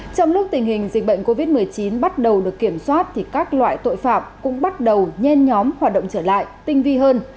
trong lúc tình hình dịch bệnh covid một mươi chín bắt đầu được kiểm soát thì các loại tội phạm cũng bắt đầu nhen nhóm hoạt động trở lại tinh vi hơn